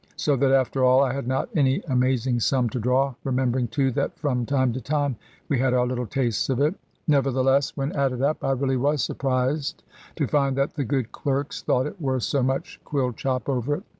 So that, after all, I had not any amazing sum to draw, remembering, too, that from time to time we had our little tastes of it. Nevertheless, when added up, I really was surprised to find that the good clerks thought it worth so much quill chop over it.